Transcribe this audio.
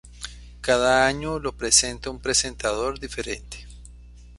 Cada año lo presenta un presentador diferente.